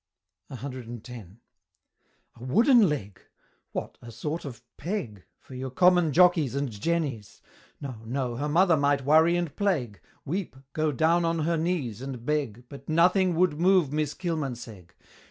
CX. A wooden leg! what, a sort of peg, For your common Jockeys and Jennies! No, no, her mother might worry and plague Weep, go down on her knees, and beg, But nothing would move Miss Kilmansegg!